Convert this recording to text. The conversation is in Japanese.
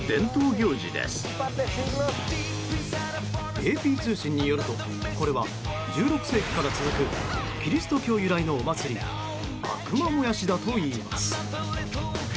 ＡＰ通信によるとこれは１６世紀から続くキリスト教由来のお祭り悪魔燃やしだといいます。